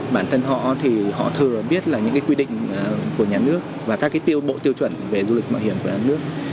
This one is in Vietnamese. bản thân họ thì họ thừa biết là những quy định của nhà nước và các bộ tiêu chuẩn về du lịch mạo hiểm của nhà nước